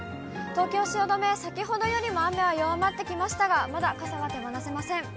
東京・汐留は先ほどよりも雨は弱まってきましたが、まだ傘が手放せません。